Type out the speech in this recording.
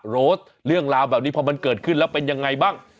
โรสเรื่องราวแบบนี้พอมันเกิดขึ้นแล้วเป็นยังไงบ้าง